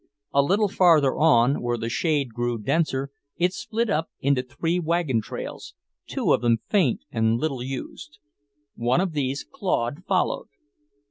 A little farther on, where the shade grew denser, it split up into three wagon trails, two of them faint and little used. One of these Claude followed.